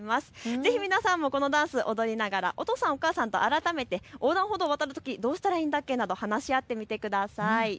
ぜひ皆さんもこのダンスを踊りながらお父さん、お母さんと改めて横断歩道を渡るとき、どうしたらいいんだっけと話し合ってみてください。